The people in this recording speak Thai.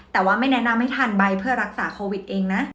แต่ว่าไม่แนะนำให้ทานใบเพื่อรักษาโควิดเองนะ